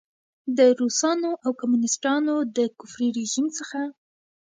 د روسانو او کمونیسټانو د کفري رژیم څخه.